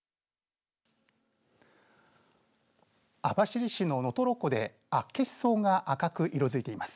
網走市の能取湖でアッケシソウが赤く色づいています。